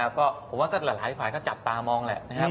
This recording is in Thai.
ผมว่าหลายฝ่ายก็จัดตามองแหละ